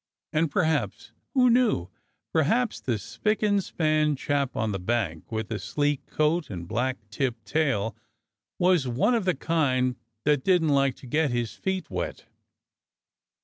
And perhaps who knew? perhaps the spic and span chap on the bank, with the sleek coat and black tipped tail, was one of the kind that didn't like to get his feet wet.